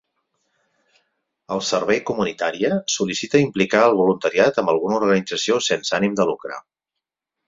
El servei comunitària solia implicar el voluntariat amb alguna organització sense ànim de lucre.